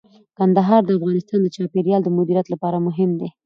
کندهار د افغانستان د چاپیریال د مدیریت لپاره مهم دي.